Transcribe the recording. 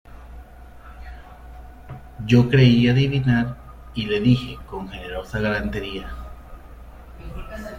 yo creí adivinar, y le dije con generosa galantería: